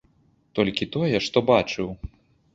Толькі тое, што бачыў.